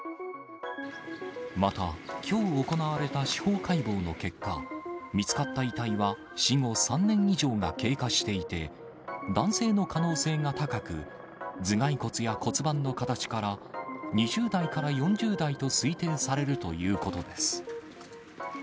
また、きょう行われた司法解剖の結果、見つかった遺体は、死後３年以上が経過していて、男性の可能性が高く、頭蓋骨や骨盤の形から、２０代から４０代と推定されるということです。